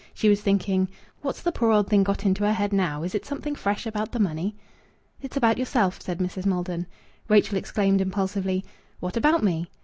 She was thinking: "What's the poor old thing got into her head now? Is it something fresh about the money?" "It's about yourself," said Mrs. Maldon. Rachel exclaimed impulsively "What about me?"